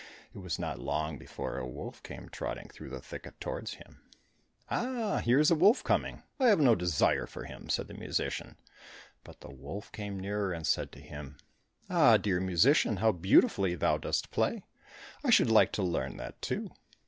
It was not long before a wolf came trotting through the thicket towards him. "Ah, here is a wolf coming! I have no desire for him!" said the musician; but the wolf came nearer and said to him, "Ah, dear musician, how beautifully thou dost play. I should like to learn that, too."